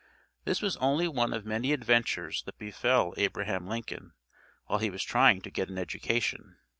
This was only one of many adventures that befell Abraham Lincoln while he was trying to get an education.